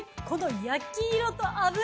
この焼き色と脂。